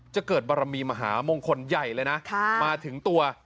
จะเกิดบารมีมหามงคลใหญ่เลยนะมาถึงตัว